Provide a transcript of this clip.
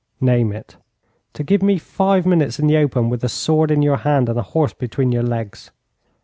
'Name it.' 'To give me five minutes in the open with a sword in your hand and a horse between your legs.'